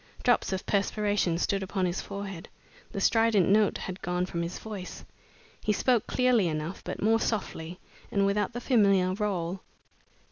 Drops of perspiration stood upon his forehead. The strident note had gone from his voice. He spoke clearly enough, but more softly, and without the familiar roll.